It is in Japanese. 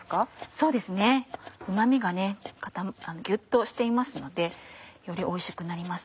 そうですねうま味がギュっとしていますのでよりおいしくなります。